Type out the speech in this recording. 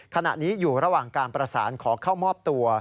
ขณะนี้อยู่ระหว่างการประสานขอเข้ามอบตัว